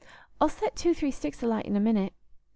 "I'll set two three sticks a light in a minute."